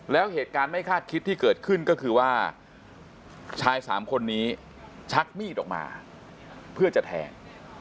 แล้วเหตุการณ์ไม่คาดคิดที่เกิดขึ้นก็คือว่าชายสามคนนี้ชักมีดออกมาเพื่อจะแทง